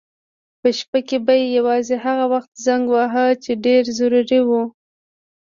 په شپه کې به یې یوازې هغه وخت زنګ واهه چې ډېر ضروري و.